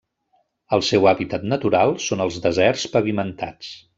El seu hàbitat natural són els deserts pavimentats.